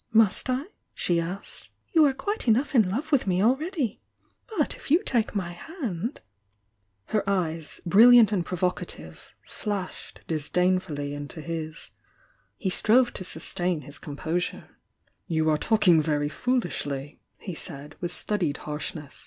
"Must I?" she asked. "You are quite enough in love with me already! — but if you take my hand !" Her eyes, brilliant and provocative, flashed dis dainfully into his. He strove to sustain his com posure. "You are talking very foolishly," he said, with studied harshness.